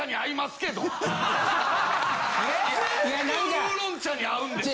全部ウーロン茶に合うんですよ！